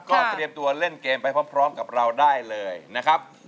ก็เตรียมตัวเล่นเกมไปพร้อมกับเราได้เลยนะครับ